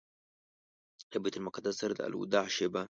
له بیت المقدس سره د الوداع شېبه.